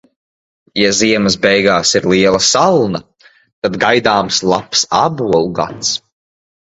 Ja ziemas beigās ir liela salna, tad gaidāms labs ābolu gads.